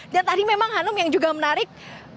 dan tadi memang hanum yang juga menarik